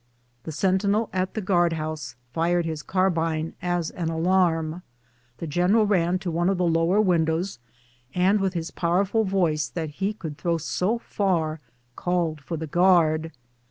The sen tinel at the guard house fired his carbine as an alarm. The general ran to one of the lower windows, and with 116 BOOTS AND SADDLES. his powerful voice that lie could throw so far called for the guard.